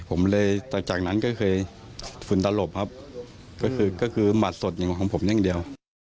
ผมเลยจากนั้นก็คือฝุ่นตลอบครับก็คือก็คือหมาดสดอย่างของผมเนี่ยเฉยเดียว